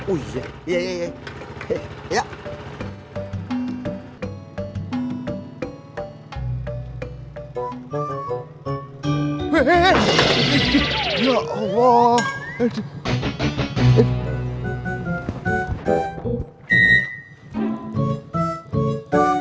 udah bang jalan